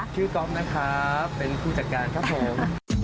ชื่อกรอบนะคะเป็นผู้จัดการครับผม